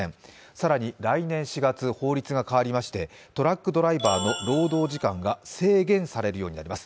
更に来年４月、法律が変わりましてトラックドライバーの労働時間が制限されるようになります。